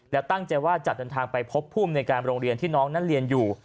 และตั้งใจว่าจะเดินทางไปพบภูมิในการโรงเรียนที่น้องนั้นเรียนอยู่